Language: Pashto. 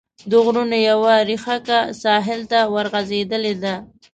د غرونو یوه ريښکه ساحل ته ورغځېدلې ده.